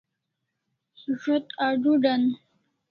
Zo't adudan